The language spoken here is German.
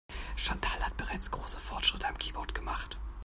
Chantal hat bereits große Fortschritte am Keyboard gemacht.